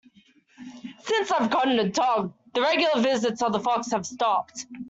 Since I've gotten a dog, the regular visits of the fox have stopped.